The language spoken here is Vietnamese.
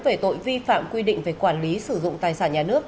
về tội vi phạm quy định về quản lý sử dụng tài sản nhà nước